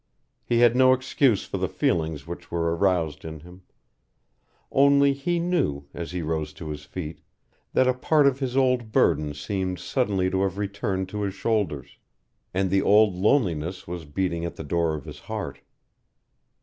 He had no excuse for the feelings which were aroused in him. Only he knew, as he rose to his feet, that a part of his old burden seemed suddenly to have returned to his shoulders, and the old loneliness was beating at the door of his heart.